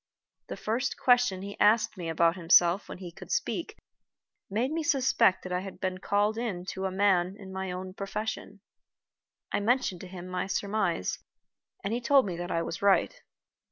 The first question he asked me about himself when he could speak made me suspect that I had been called in to a man in my own profession. I mentioned to him my surmise, and he told me that I was right.